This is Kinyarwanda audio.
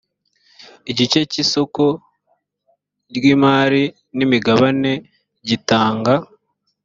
igice cy isoko ry imari n imigabane gitanga